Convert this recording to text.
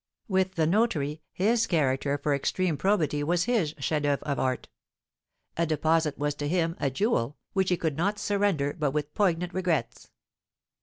With the notary, his character for extreme probity was his chef d'oeuvre of art; a deposit was to him a jewel, which he could not surrender but with poignant regrets.